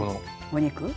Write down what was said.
お肉。